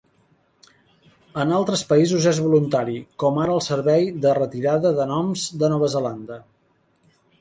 En altres països és voluntari, com ara el Servei de Retirada de Noms de Nova Zelanda.